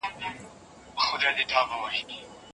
چمونه مه کوه .